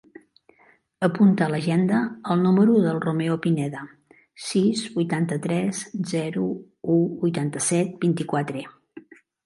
Apunta a l'agenda el número del Romeo Pineda: sis, vuitanta-tres, zero, u, vuitanta-set, vint-i-quatre.